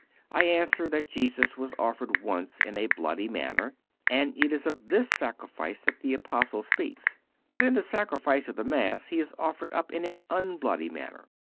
I answer, that Jesus was offered once in a bloody manner, and it is of this sacrifice that the Apostle speaks. But in the Sacrifice of the Mass He is offered up in an unbloody manner.